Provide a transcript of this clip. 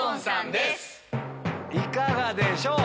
いかがでしょう？